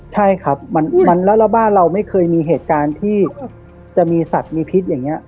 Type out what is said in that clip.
ใช่ครับแล้วบ้านเราไม่เคยมีเหตุการณ์ที่จะมีสัตว์มีพิษอย่างนี้